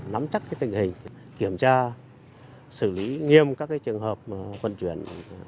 nắm chắc tình hình kiểm tra xử lý nghiêm các trường hợp vận chuyển